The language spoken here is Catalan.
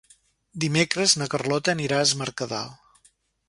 Dimecres na Carlota anirà a Es Mercadal.